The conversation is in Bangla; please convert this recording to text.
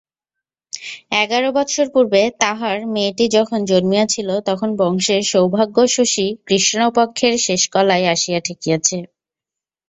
এগারো বৎসর পূর্বে তাঁহার মেয়েটি যখন জন্মিয়াছিল তখন বংশের সৌভাগ্যশশী কৃষ্ণপক্ষের শেষকলায় আসিয়া ঠেকিয়াছে।